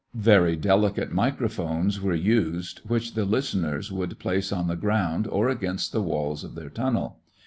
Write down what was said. Very delicate microphones were used, which the listeners would place on the ground or against the walls of their tunnel.